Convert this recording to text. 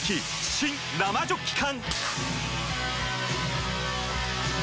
新・生ジョッキ缶！